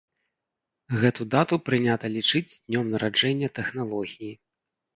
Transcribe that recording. Гэту дату прынята лічыць днём нараджэння тэхналогіі.